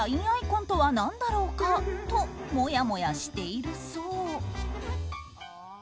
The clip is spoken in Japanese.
アイコンとは何だろうかともやもやしているそう。